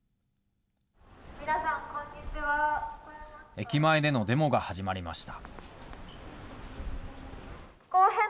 駅前でのデモが始まりました。